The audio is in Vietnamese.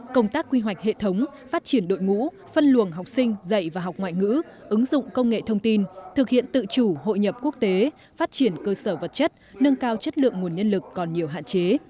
công tác quy hoạch hệ thống phát triển đội ngũ phân luồng học sinh dạy và học ngoại ngữ ứng dụng công nghệ thông tin thực hiện tự chủ hội nhập quốc tế phát triển cơ sở vật chất nâng cao chất lượng nguồn nhân lực còn nhiều hạn chế